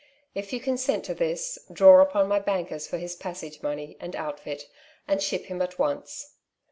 If you consent to this, draw upon my bankers for his passage money and outfit, and ship him at once.''